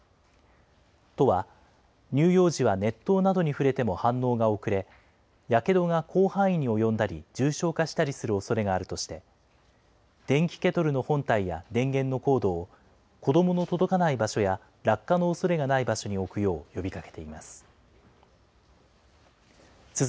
都は、乳幼児は熱湯などに触れても反応が遅れ、やけどが広範囲に及んだり、重症化したりするおそれがあるとして、電気ケトルの本体や電源のコードを子どもの届かない場所や落下のおそれがない場所に置くよう呼びかけています。